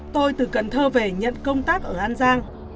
tôi từ cần thơ về nhận công tác ở an giang